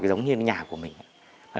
giống như nhà của mình ạ